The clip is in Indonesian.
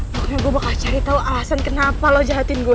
makanya gue bakal cari tahu alasan kenapa lo jahatin gue